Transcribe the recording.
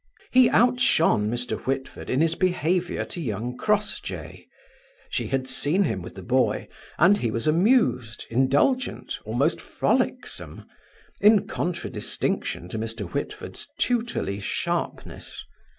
He outshone Mr. Whitford in his behaviour to young Crossjay. She had seen him with the boy, and he was amused, indulgent, almost frolicsome, in contradistinction to Mr. Whitford's tutorly sharpness.